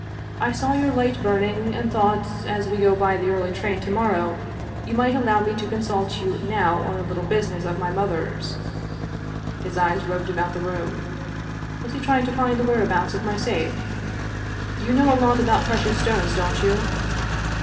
" I saw your light burning, and thought, as we go by the early train to morrow, you might allow me to consult you now on a little business of my mother's." His eyes roved about the room. Was he trying to find the whereabouts of my safe ?" You know a lot about precious stones, don't you?"